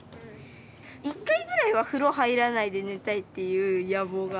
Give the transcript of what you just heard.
１回ぐらいは風呂入らないで寝たいっていう野望が。